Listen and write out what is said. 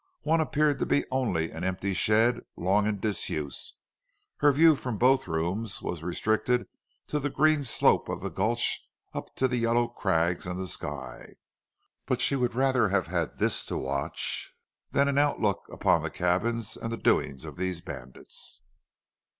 One appeared to be only an empty shed, long in disuse. Her view from both rooms was restricted to the green slope of the gulch up to yellow crags and the sky. But she would rather have had this to watch than an outlook upon the cabins and the doings of these bandits.